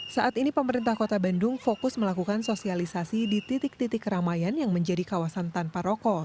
saat ini pemerintah kota bandung fokus melakukan sosialisasi di titik titik keramaian yang menjadi kawasan tanpa rokok